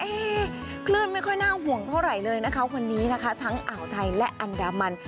คลื่นไม่ค่อยน่าห่วงเท่าไหร่เลยนะคะวันนี้นะคะทั้งอ่าวไทยและอันดามัน